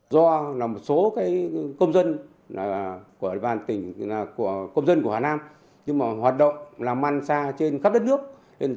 do một số công dân của hà nam hoạt động làm măn xa trên khắp đất nước